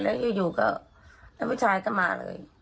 แล้วอยู่ก็แล้วผู้ชายก็มาเลย